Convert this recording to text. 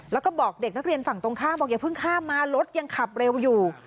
แล้วก็บอกเด็กนักเรียนฝั่งตรงข้ามบอกอย่าเพิ่งข้ามมารถยังขับเร็วอยู่